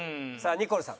ニコルさん。